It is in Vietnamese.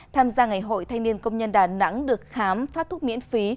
tham gia ngày hội thanh niên công nhân đà nẵng được khám phát thuốc miễn phí